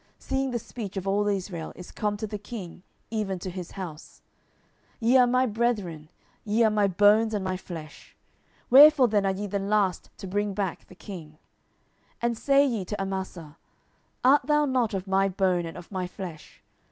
seeing the speech of all Israel is come to the king, even to his house. 10:019:012 Ye are my brethren, ye are my bones and my flesh: wherefore then are ye the last to bring back the king? 10:019:013 And say ye to Amasa, Art thou not of my bone, and of my flesh?